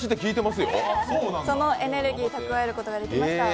そのエネルギーを蓄えることができました。